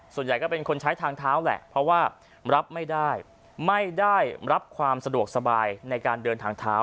ส่วนใหญ่ก็เป็นคนใช้ทางเท้าแหละเพราะว่ารับไม่ได้ไม่ได้รับความสะดวกสบายในการเดินทางเท้า